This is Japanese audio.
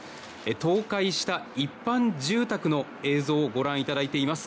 倒壊した一般住宅の映像をご覧いただいています。